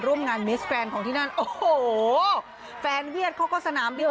ร่วมงานมิสแฟนของท่านที่นั่น